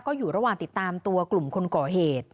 ก็อยู่ระหว่างติดตามตัวกลุ่มคนก่อเหตุ